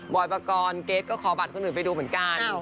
อยปกรณ์เกรทก็ขอบัตรคนอื่นไปดูเหมือนกัน